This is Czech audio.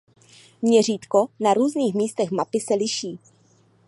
Měřítko na různých místech mapy se liší.